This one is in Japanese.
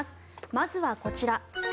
まずはこちら。